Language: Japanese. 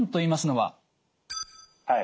はい。